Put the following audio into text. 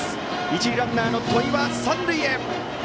一塁ランナー、戸井は三塁へ！